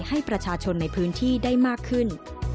ให้ประชาชนในพื้นที่ได้มากขึ้น